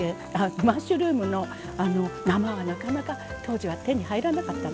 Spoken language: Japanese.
マッシュルームの生はなかなか当時は手に入らなかったの。